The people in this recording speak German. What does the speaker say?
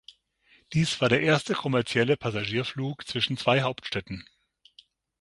Dies war der erste kommerzielle Passagierflug zwischen zwei Hauptstädten.